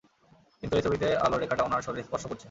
কিন্তু, এই ছবিতে আলোর রেখাটা উনার শরীর স্পর্শ করছে!